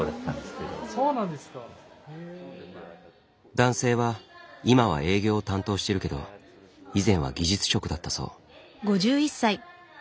男性は今は営業を担当してるけど以前は技術職だったそう。